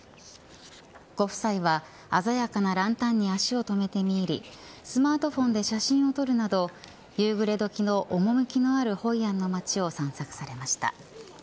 ご夫妻は鮮やかなランタンに足を止めて見入りスマートフォンで写真を撮るなど夕暮れどきの趣のあるホイアンの街を散策されました。